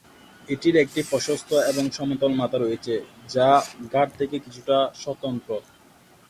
এটির একটি প্রশস্ত এবং সমতল মাথা রয়েছে যা ঘাড় থেকে কিছুটা স্বতন্ত্র।